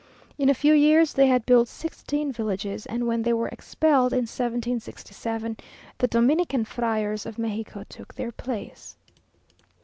In a few years they had built sixteen villages, and when they were expelled, in 1767, the Dominican friars of Mexico took their place.